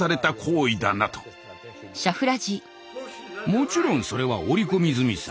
もちろんそれは織り込み済みさ。